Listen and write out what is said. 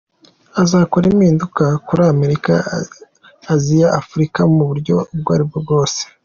Azakora impinduka kuri Amerika, Aziya, Afurika mu buryo ubwo ari bwo bwose.